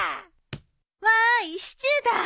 わーいシチューだ！